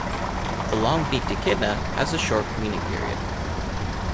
The long-beaked echidna has a short weaning period.